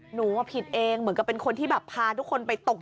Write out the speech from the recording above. หนูผิดเองเหมือนกับเป็นคนที่แบบพาทุกคนไปตก